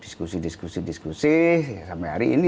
diskusi diskusi diskusi sampai hari ini